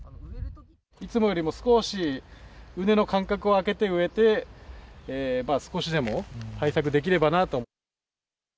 いつもよりも少し、畝の間隔を開けて植えて、少しでも対策できればなと。